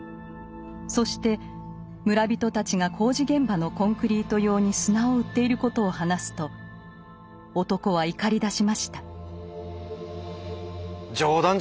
そして村人たちが工事現場のコンクリート用に砂を売っていることを話すと男は怒りだしました。